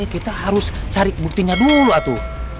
kita harus cari buktinya dulu atu